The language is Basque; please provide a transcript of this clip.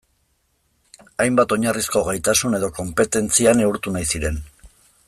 Hainbat oinarrizko gaitasun edo konpetentzia neurtu nahi ziren.